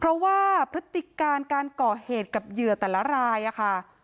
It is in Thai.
เพราะว่าปฏิการการเกราะเหตุกับเหยื่อแต่ละรายอ่ะค่ะ